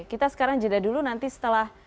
kita sekarang jeda dulu nanti setelah